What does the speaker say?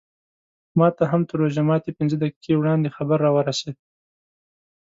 ماته هم تر روژه ماتي پینځه دقیقې وړاندې خبر راورسېد.